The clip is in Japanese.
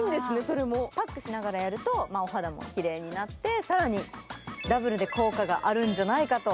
パックしながらやるとお肌もきれいになって更にダブルで効果があるんじゃないかと。